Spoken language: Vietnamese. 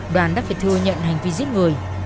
đoàn đã phải thừa nhận hành vi giết người